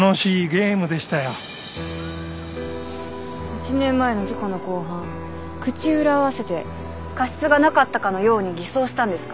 １年前の事故の公判口裏を合わせて過失がなかったかのように偽装したんですか。